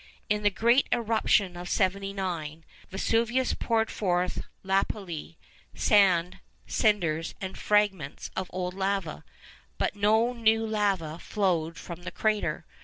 In the great eruption of 79, Vesuvius poured forth lapilli, sand, cinders, and fragments of old lava, but no new lava flowed from the crater.